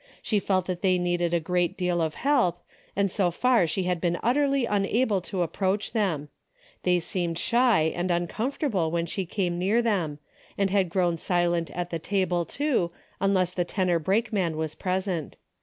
She felt that they needed a great deal of help and so far she had been utterly unable to approach them. They seemed shy and un comfortable when she came near them, and had grown silent at the table, too, unless the tenor brakeman was present.